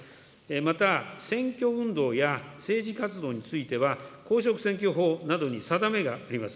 また、選挙運動や政治活動については、公職選挙法などに定めがあります。